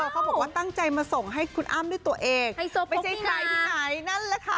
เขาบอกว่าตั้งใจมาส่งให้คุณอ้ำด้วยตัวเองไม่ใช่ใครที่ไหนนั่นแหละค่ะ